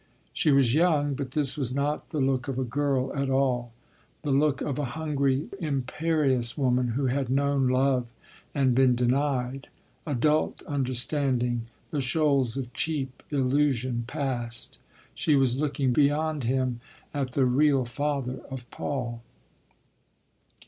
She was young, but this was not the look of a girl at all—the look of a hungry imperious woman who had known love and been denied—adult understanding, the shoals of cheap illusion passed. She was looking beyond him at the real father of Paul.